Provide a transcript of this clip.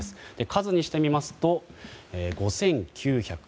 数にして見ますと５９７７発。